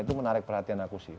itu menarik perhatian aku sih